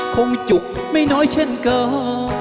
คงจุกไม่น้อยเช่นกัน